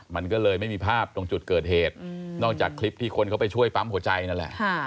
มันก็เลยไม่มีภาพตรงจุดเกิดเหตุนอกจากคลิปที่คนเขาไปช่วยปั๊มหัวใจนั่นแหละ